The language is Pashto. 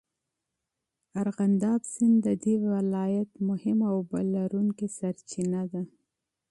ارغنداب سیند د دې ولایت مهمه اوبهلرونکې سرچینه ده.